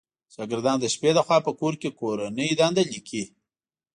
شاګردان د شپې لخوا په کور کې کورنۍ دنده ليکئ